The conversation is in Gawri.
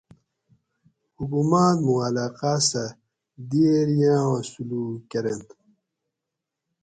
حکوماۤت موں علاقاۤ سہ دئیر ییاں سلوک کۤرینت